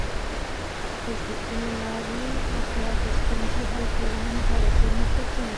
د زده کړې له لارې، افراد د ستونزو حل کولو مهارتونه زده کوي.